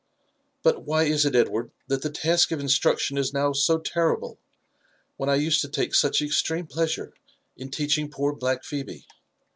But why is it, Edward, that the task of instruction is now so terrible, when I used to take such ex treme pleasure in teaching poor black Phebe?